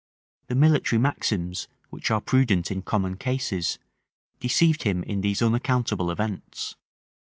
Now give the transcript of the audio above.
The military maxims which are prudent in common cases, deceived him in these unaccountable events.